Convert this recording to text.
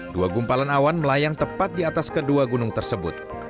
dua gumpalan awan melayang tepat di atas kedua gunung tersebut